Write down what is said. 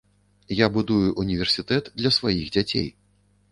Я будую ўніверсітэт для сваіх дзяцей.